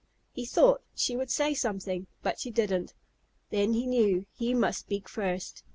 He thought she would say something, but she didn't. Then he knew he must speak first.